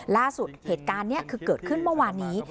ล่าสุดเหตุการณ์นี้คือเกิดขึ้นเมื่อวานนี้